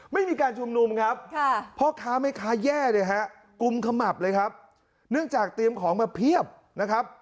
ไม่มีการชุมนุมครับ